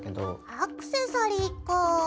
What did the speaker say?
アクセサリーかぁ。